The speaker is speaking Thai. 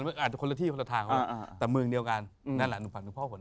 แล้วที่ผมฝันถึงพ่อ